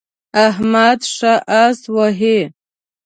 احمد ښه اس وهي.